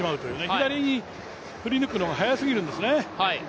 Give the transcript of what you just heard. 左に振り抜くのが早すぎるんですね。